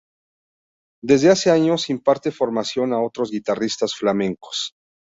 Desde hace años imparte formación a otros guitarristas flamencos